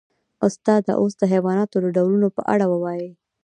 استاده اوس د حیواناتو د ډولونو په اړه ووایئ